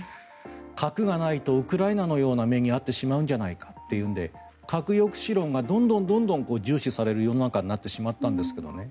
核がないとウクライナのような目に遭ってしまうんじゃないかと核抑止論がどんどん重視される世の中になってしまったんですけどね。